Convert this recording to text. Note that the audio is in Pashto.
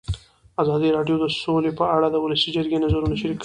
ازادي راډیو د سوله په اړه د ولسي جرګې نظرونه شریک کړي.